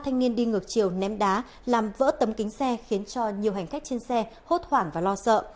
thanh niên đi ngược chiều ném đá làm vỡ tấm kính xe khiến cho nhiều hành khách trên xe hốt hoảng và lo sợ